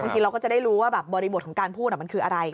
ทีเราก็จะได้รู้ว่าบริบทของการพูดมันคืออะไร